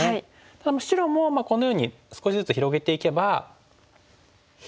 ただ白もこのように少しずつ広げていけばスペースはね